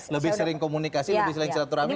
lebih sering komunikasi lebih sering silaturahmi